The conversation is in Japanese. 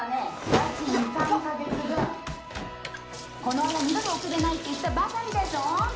家賃３か月分・・この間二度と遅れないって言ったばかりでしょ？